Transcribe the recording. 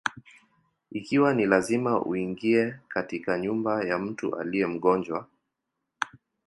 Ikiwa ni lazima uingie katika nyumba ya mtu aliye mgonjwa: